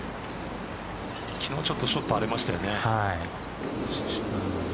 昨日ちょっとショット荒れましたよね。